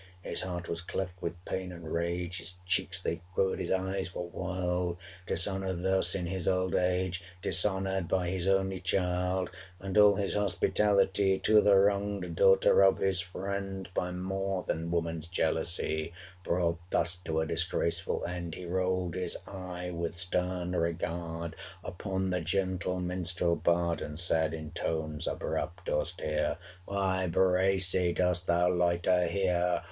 His heart was cleft with pain and rage, 640 His cheeks they quivered, his eyes were wild, Dishonoured thus in his old age; Dishonoured by his only child, And all his hospitality To the wronged daughter of his friend 645 By more than woman's jealousy Brought thus to a disgraceful end He rolled his eye with stern regard Upon the gentle minstrel bard, And said in tones abrupt, austere 650 'Why, Bracy! dost thou loiter here?